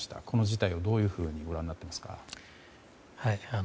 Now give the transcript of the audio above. この事態をどういうふうにご覧になっていますか？